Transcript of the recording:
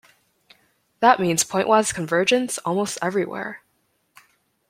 That means pointwise convergence almost everywhere.